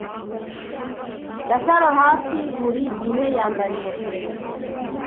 Gasaro hafi buri gihe yambara ingofero.